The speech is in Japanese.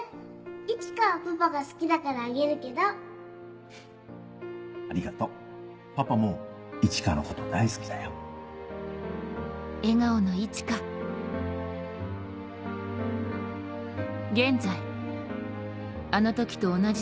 一花はパパが好きだからあげるけどフフありがとうパパも一花のこと大好きだよあぁ。